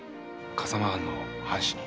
笠間藩の藩士に？